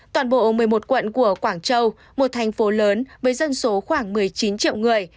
toàn bộ một mươi một quận của quảng châu một thành phố lớn với dân số khoảng một mươi chín triệu người